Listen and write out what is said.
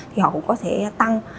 thì họ cũng có thể tăng